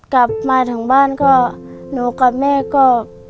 กลับมาถึงบ้านก็หนูกับแม่ก็ไม่รู้สึกสินะ